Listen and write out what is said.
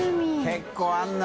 結構あるな。